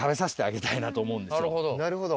なるほど。